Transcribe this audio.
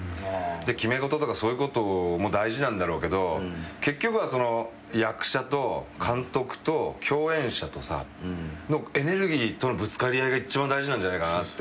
決め事とかそういうことも大事なんだろうけど結局はその役者と監督と共演者のエネルギーとのぶつかり合いが一番大事なんじゃないかなって。